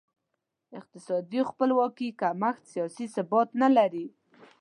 د اقتصادي خپلواکي کمښت سیاسي ثبات نه لري.